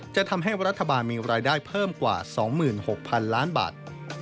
จะทำให้รัฐบาลมีรายได้เพิ่มกว่า๒๖๐๐๐ล้านบาท